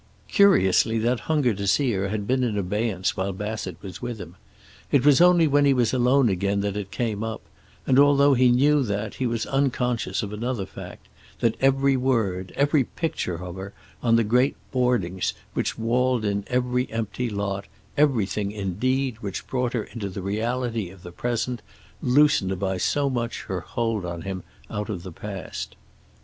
Curiously, that hunger to see her had been in abeyance while Bassett was with him. It was only when he was alone again that it came up; and although he knew that, he was unconscious of another fact, that every word, every picture of her on the great boardings which walled in every empty lot, everything, indeed, which brought her into the reality of the present, loosened by so much her hold on him out of the past.